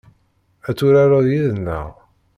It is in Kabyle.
Ad turareḍ yid-neɣ?